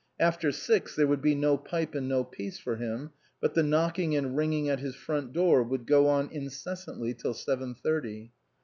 After six there would be no pipe and no peace for him, but the knocking and ringing at his front door would go on incessantly till seven thirty.